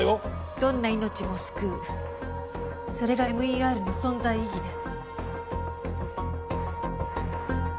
どんな命も救うそれがＭＥＲの存在意義です